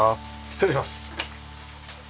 失礼します。